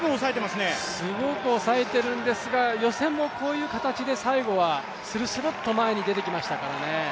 すごく抑えてるんですが予選もこういう形で最後はするするっと前に出てきましたからね。